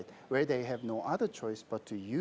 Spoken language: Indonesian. di mana mereka tidak memiliki pilihan lain